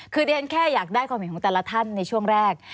คือเรียนแค่อยากได้ความเห็นของแต่ละท่านในช่วงแรก